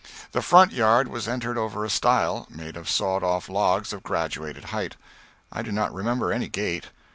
The front yard was entered over a stile, made of sawed off logs of graduated heights; I do not remember any gate.